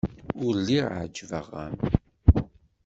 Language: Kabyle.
Ur lliɣ ɛejbeɣ-am.